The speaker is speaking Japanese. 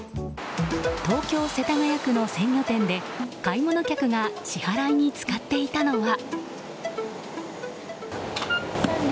東京・世田谷区の鮮魚店で買い物客が支払いに使っていたのは。